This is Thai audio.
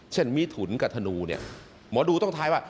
เช่นมิถุนกับธนูหมอดูต้องท้ายว่า